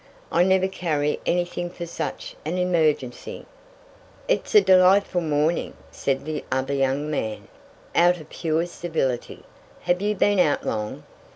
"I never carry anything for such an emergency." "It's a delightful morning," said the other young man, out of pure civility. "Have you been out long?"